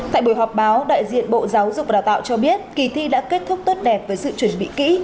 tại buổi họp báo đại diện bộ giáo dục và đào tạo cho biết kỳ thi đã kết thúc tốt đẹp với sự chuẩn bị kỹ